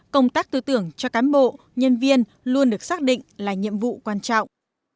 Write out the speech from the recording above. công tác tư tưởng cho cán bộ nhân viên luôn được xác định là nhiệm vụ quan trọng